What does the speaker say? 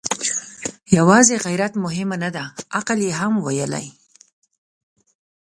يواځې غيرت مهمه نه ده، عقل يې هم ويلی.